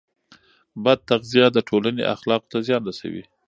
بد تغذیه د ټولنې اخلاقو ته زیان رسوي.